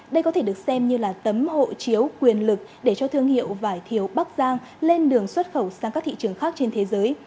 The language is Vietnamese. đây có thể được xem như là tấm hộ chiếu quyền lực để cho thương hiệu vải thiều bắc giang lên đường xuất khẩu sang các thị trường khác trên thế giới